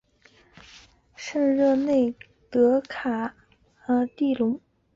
圣热内德卡斯蒂隆。